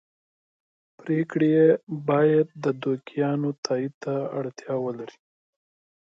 پرېکړې یې باید د دوکیانو تایید ته اړتیا ولري